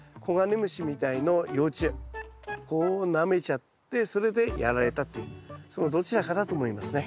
もう一つはこうなめちゃってそれでやられたっていうそのどちらかだと思いますね。